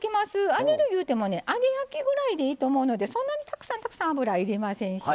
揚げるいうてもね揚げ焼きぐらいでいいと思うのでそんなにたくさんたくさん油要りませんしね。